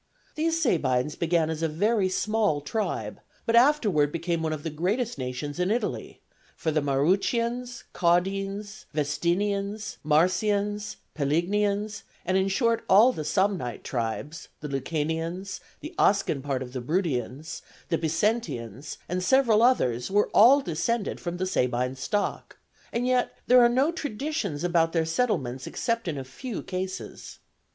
These Sabines began as a very small tribe, but afterward became one of the greatest nations of Italy, for the Marrucinians, Caudines, Vestinians, Marsians, Pelignians, and in short all the Samnite tribes, the Lucanians, the Oscan part of the Bruttians, the Picentians, and several others were all descended from the Sabine stock, and yet there are no traditions about their settlements except in a few cases.